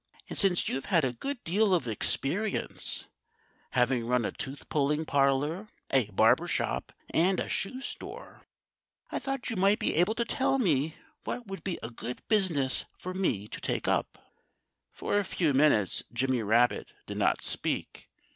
And since you've had a good deal of experience, having run a tooth pulling parlor, a barber shop, and a shoe store, I thought you might be able to tell me what would be a good business for me to take up." For a few minutes Jimmy Rabbit did not speak.